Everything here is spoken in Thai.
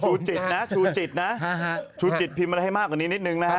จิตนะชูจิตนะชูจิตพิมพ์อะไรให้มากกว่านี้นิดนึงนะฮะ